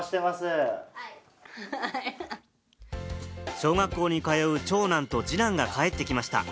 小学校に通う、長男と次男が帰ってきました。